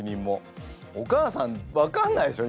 お母さん分かんないでしょ？